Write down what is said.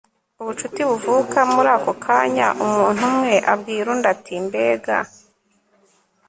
ubucuti buvuka muri ako kanya umuntu umwe abwira undi ati mbega